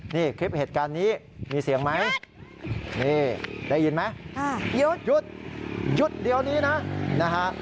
นี่คลิปเหตุการณ์นี้มีเสียงไหมนี่ได้ยินไหมหยุดหยุดเดี๋ยวนี้นะนะฮะ